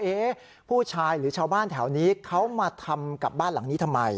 ผู้ชายหรือชาวบ้านแถวนี้เขามาทำกับบ้านหลังนี้ทำไม